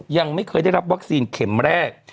ยังไม่เคยได้รับวัคซีนเข็มแรก